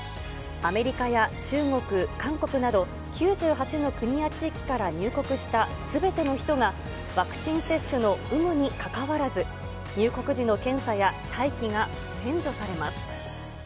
アメリカや中国、韓国など、９８の国や地域から入国したすべての人が、ワクチン接種の有無にかかわらず、入国時の検査や待機が免除されます。